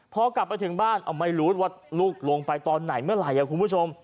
พอกลับไปถึงบ้านไม่รู้ว่าลูกลงไปตอนไหนเมื่อไหร่คุณผู้ชม